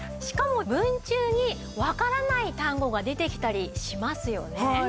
しかも文中にわからない単語が出てきたりしますよね。